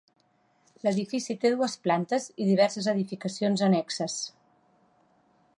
L'edifici té dues plantes i diverses edificacions annexes.